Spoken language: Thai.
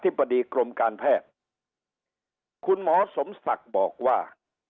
บดีกรมการแพทย์คุณหมอสมศักดิ์บอกว่า